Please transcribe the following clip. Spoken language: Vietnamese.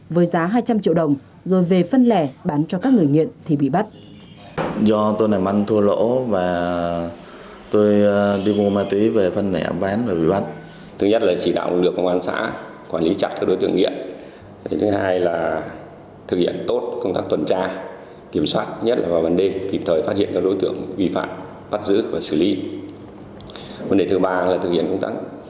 với giá hai trăm linh triệu đồng rồi về phân lẻ bán cho các người nghiện thì bị bắt